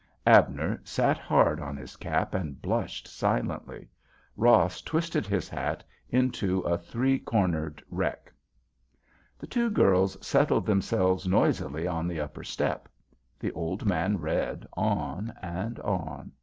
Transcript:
Abner sat hard on his cap and blushed silently. Ross twisted his hat into a three cornered wreck. The two girls settled themselves noisily on the upper step. The old man read on and on.